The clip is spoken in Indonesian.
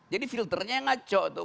jadi filternya yang ngaco tuh